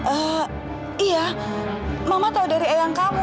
eee iya mama tahu dari elang kamu